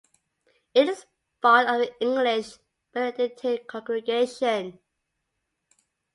It is part of the English Benedictine Congregation.